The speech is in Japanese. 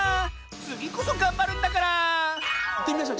つぎこそがんばるんだからいってみましょう。